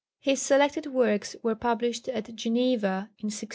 His selected works were published at Geneva in 1660.